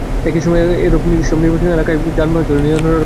একই সময়ে এসব নির্বাচনী এলাকায় যানবাহন চলাচলের ওপর নিয়ন্ত্রণ আরোপ করা হবে।